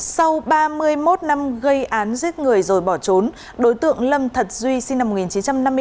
sau ba mươi một năm gây án giết người rồi bỏ trốn đối tượng lâm thật duy sinh năm một nghìn chín trăm năm mươi bốn